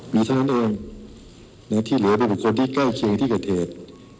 มีเท่านั้นเองที่เหลือเป็นบุคคลที่ใกล้เคียงที่เกิดเหตุ